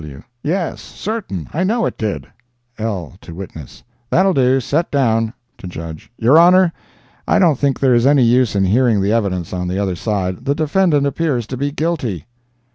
W—"Yes; certain. I know it did." L.—(To witness)—"That'll do—set down" (To Judge)—"Your honor, I don't think there is any use in hearing the evidence on the other side—the defendant appears to be guilty."